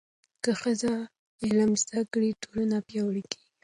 که ښځې علم زده کړي، ټولنه پیاوړې کېږي.